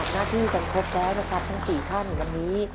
หน้าที่กันครบแล้วนะครับทั้ง๔ท่านวันนี้